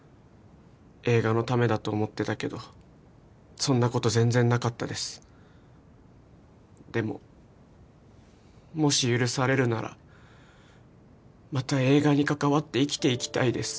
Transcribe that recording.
映画のためだと思ってたけどそんなこと全然なかったですでももし許されるならまた映画に関わって生きていきたいです